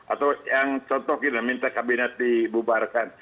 atau yang contoh kita minta kabinet dibubarkan